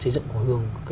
xây dựng hồi hương